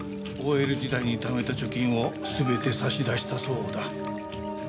ＯＬ時代に貯めた貯金を全て差し出したそうだ。